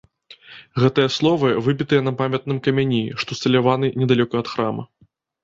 Гэтыя словы выбітыя на памятным камяні, што ўсталяваны недалёка ад храма.